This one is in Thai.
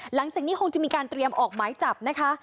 หลังจากนี้คงจะมีการเตรียมออกหมายจับนะคะ